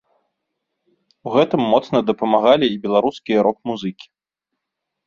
У гэтым моцна дапамаглі і беларускія рок-музыкі.